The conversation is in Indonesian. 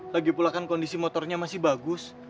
lagi pulakan kondisi motornya masih bagus